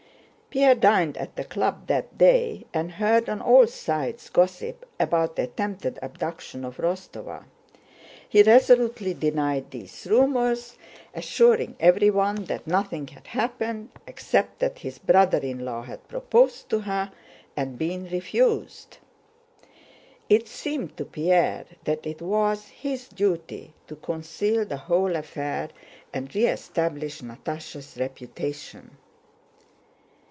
Pierre dined at the club that day and heard on all sides gossip about the attempted abduction of Rostóva. He resolutely denied these rumors, assuring everyone that nothing had happened except that his brother in law had proposed to her and been refused. It seemed to Pierre that it was his duty to conceal the whole affair and re establish Natásha's reputation.